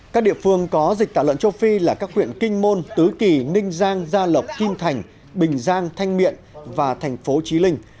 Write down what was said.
các địa phương có dịch tả lợn châu phi là các huyện kinh môn tứ kỳ ninh giang gia lộc kim thành bình giang thanh miện và thành phố trí linh